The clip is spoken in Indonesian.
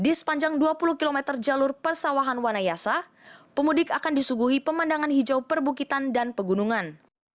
di sepanjang dua puluh km jalur persawahan wanayasa pemudik akan disuguhi pemandangan hijau perbukitan dan pegunungan